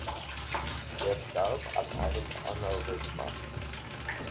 Er starb an einem Aneurysma.